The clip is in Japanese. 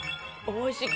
おいしい。